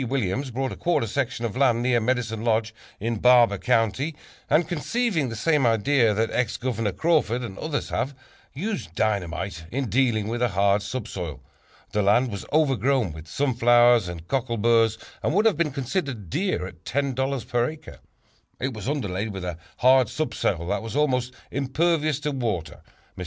Williams bought a quarter section of land near Medicine Lodge in Barber County, and, conceiving the same idea that Ex Governor Crawford and others have, used dynamite in dealing with a hard subsoil. The land was overgrown with sunflowers and cockleburs and would have been considered dear at $10 per acre. It was underlaid with a hard subsoil that was almost impervious to water. Mr.